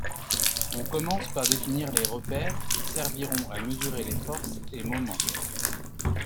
On commence par définir les repères qui serviront à mesurer les forces et moments.